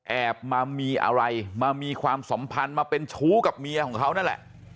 แอบมามีอะไรมามีความสัมพันธ์มาเป็นชู้กับเมียของเขานั่นแหละ